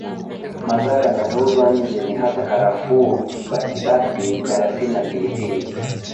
Mazao yanayouzwa nje ni hasa karafuu basibasi mdalasini na pilipili